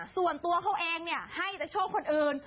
ส่วนตัวเขาเองให้แต่โชคคนอื่น